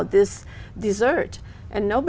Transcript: liên quan đến